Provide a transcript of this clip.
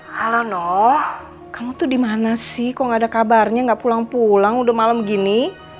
halo nuh kamu tuh dimana sih kok gak ada kabarnya gak pulang pulang udah malem gini